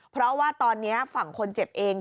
เพราะว่าตอนนี้ฝั่งคนเจ็บเอง